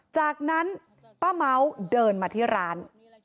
จากนั้นป้าเม้าเดินมาที่ร้าน